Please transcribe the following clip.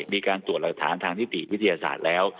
มีการตรวจหลักฐานทางนิติวิทยาศาสตร์แล้ว